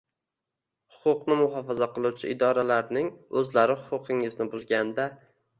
Huquqni muhofaza qiluvchi idoralarning o‘zlari huquqingizni buzganda